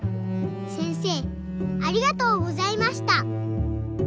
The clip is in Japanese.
せんせいありがとうございました。